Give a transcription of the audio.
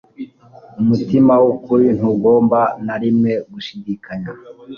Umutima wukuri ntugomba na rimwe gushidikanya.